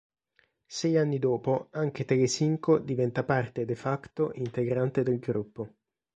Sei anni dopo anche Telecinco diventa parte de facto integrante del gruppo.